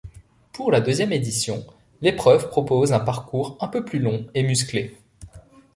Pour la deuxième édition, l'épreuve propose un parcours un peu plus long et musclé.